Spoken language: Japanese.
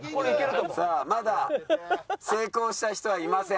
さあまだ成功した人はいません。